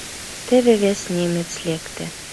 Теве вес немец лекте.